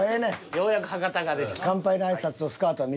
ようやく博多が出てきたな。